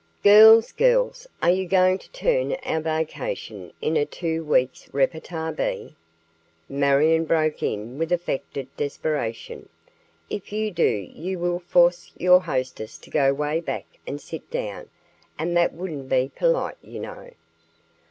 "Girls, Girls, are you going to turn our vacation into a two weeks repartee bee?" Marion broke in with affected desperation. "If you do, you will force your hostess to go way back and sit down, and that wouldn't be polite, you know.